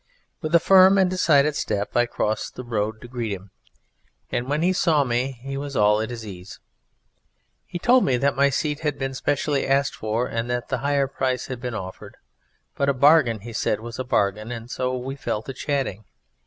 With a firm and decided step I crossed the road to greet him, and when he saw me he was all at his ease. He told me that my seat had been especially asked for, and that a higher price had been offered; but a bargain, he said, was a bargain, and so we fell to chatting.